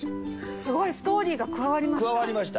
すごいストーリーが加わりま加わりました。